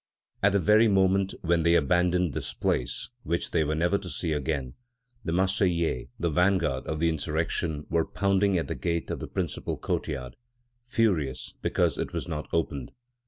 At the very moment when they abandoned this palace which they were never to see again, the Marseillais, the vanguard of the insurrection, were pounding at the gate of the principal courtyard, furious because it was not opened.